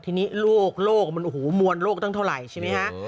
ที่นี่โลกมันอูหูมวลโลกตั้งเท่าไหร่ใช่มั้ยฮะ